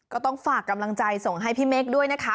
ก็ต้องฝากกำลังใจส่งให้พี่เมฆด้วยนะคะ